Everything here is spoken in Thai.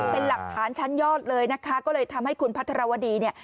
เป็นหลักฐานชั้นยอดเลยนะคะก็เลยทำให้คุณพัทรวดีเนี่ย